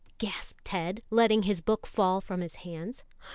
gasped Ted, letting his book fall from his hands.